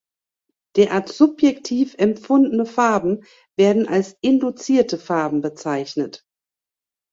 Derart subjektiv empfundene Farben werden als induzierte Farben bezeichnet.